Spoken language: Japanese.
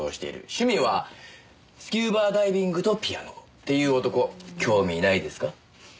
趣味はスキューバダイビングとピアノっていう男興味ないですか？